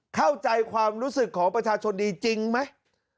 เข้าใจความรู้สึกของประชาชนดีจริงไหม